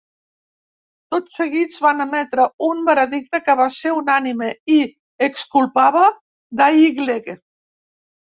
Tot seguit van emetre un veredicte, que va ser unànime i exculpava Daigle.